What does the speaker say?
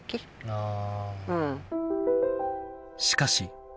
ああ。